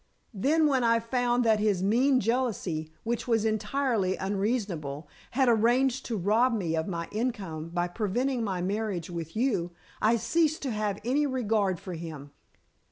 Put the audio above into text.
Then when I found that his mean jealousy which was entirely unreasonable had arranged to rob me of my income by preventing my marriage with you, I ceased to have any regard for him.